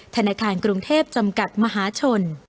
ธนาคารกรุงเทพจำกัดมหาชน